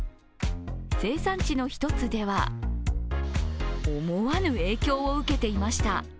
生産地の１つでは、思わぬ影響を受けていました。